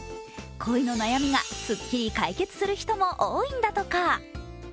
恋の悩みがすっきり解決する人も多いんだとか。